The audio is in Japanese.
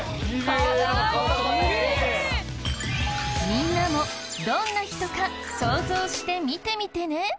みんなもどんな人か想像して見てみてね。